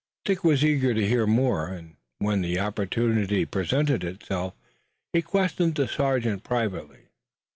Dick was eager to hear more, and, when the opportunity presented itself, he questioned the sergeant privately.